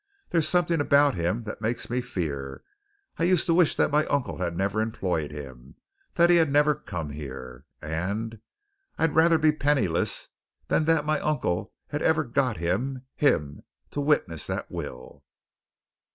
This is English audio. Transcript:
There's something about him that makes me fear. I used to wish that my uncle had never employed him that he had never come here. And I'd rather be penniless than that my uncle had ever got him him! to witness that will!"